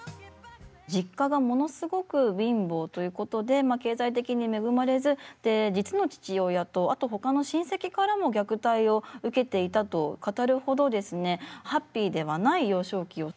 実家がものすごく貧乏ということでまあ経済的に恵まれずで実の父親とあとほかの親戚からも虐待を受けていたと語るほどですねハッピーではない幼少期を過ごしていたそうです。